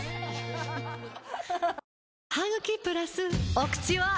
お口は！